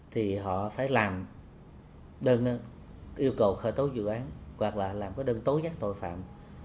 thì họ phải làm đơn yêu cầu khởi tố dự án hoặc là làm đơn tố giác tội phạm